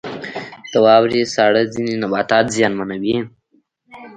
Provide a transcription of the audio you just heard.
• د واورې ساړه ځینې نباتات زیانمنوي.